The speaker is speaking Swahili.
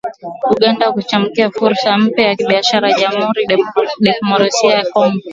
Uganda kuchangamkia fursa mpya za kibiashara Jamhuri ya Kidemocrasia ya Kongo